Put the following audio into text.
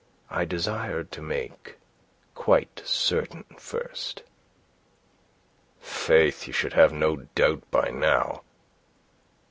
"I desired to make quite certain first." "Faith, you should have no doubt by now."